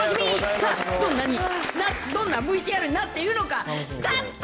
さあ、どんなＶＴＲになっているのか、スタート。